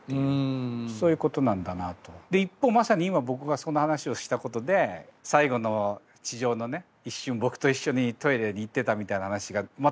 一方まさに今僕がその話をしたことで最後の地上のね一瞬僕と一緒にトイレに行ってたみたいな話がまた残ってるわけじゃないですか。